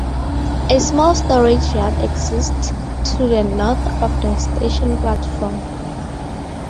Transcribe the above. A small storage yard exists to the north of the station platform.